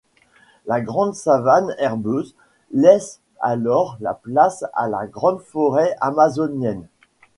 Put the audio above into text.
La grande savane herbeuse laisse alors la place à la grande forêt amazonienne.